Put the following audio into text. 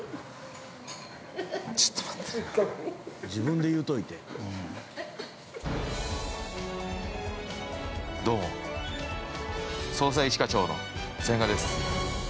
ふふふっちょっと待って自分で言うといてどうも捜査一課長の千賀です